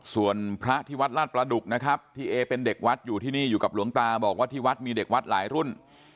ส่วนพระที่วัดลาดประดุกนะครับที่เอเป็นเด็กวัดอยู่ที่นี่อยู่กับหลวงตาบอกว่าที่วัดมีเด็กวัดหลายรุ่น